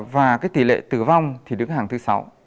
và tỷ lệ tử vong đứng hàng thứ sáu